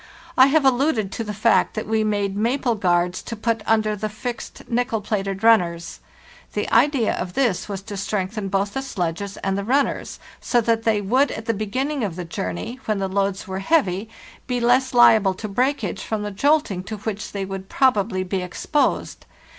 I have alluded to the fact that we made maple guards to put under the fixed nickel plated runners. The idea of this was to strengthen both the sledges and the runners, so that they would at the beginning of the journey, when the loads were heavy, be less hable to breakage from the jolting to which they would probably be exposed.